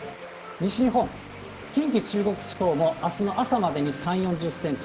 西日本、近畿、中国地方もあすの朝までに３、４０センチ。